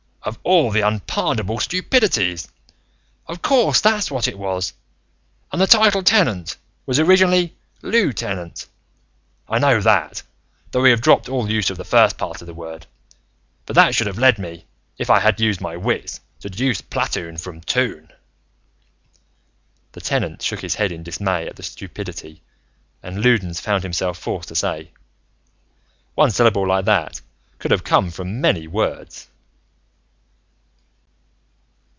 "Of all the unpardonable stupidities! Of course that's what it was. And the title, Tenant, was originally lieu tenant. I know that, though we have dropped all use of the first part of the word. But that should have led me, if I had used my wits, to deduce platoon from toon." The Tenant shook his head in dismay at his stupidity and Loudons found himself forced to say, "One syllable like that could have come from many words."